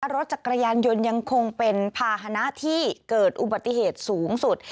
รถจักรยานยนต์ยังคงเป็นภาษณะที่เกิดอุบัติเหตุสูงสุด